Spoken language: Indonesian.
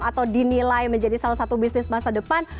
atau dinilai menjadi salah satu bisnis masa depan